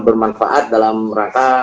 bermanfaat dalam rangka